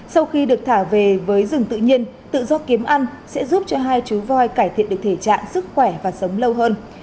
sau khi được thả về với rừng tự nhiên tự do kiếm ăn sẽ giúp cho hai chú voi cải thiện được thể trạng sức khỏe và sống lâu hơn